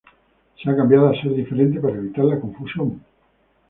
Se ha cambiado a ser diferentes para evitar la confusión.